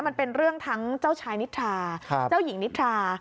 มันเป็นเรื่องทั้งเจ้าชายนิทราเจ้าหญิงนิทรา